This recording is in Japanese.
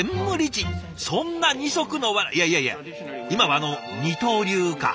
そんな二足のわらいやいやいや今はあの二刀流か。